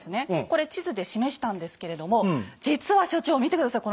これ地図で示したんですけれども実は所長見て下さい。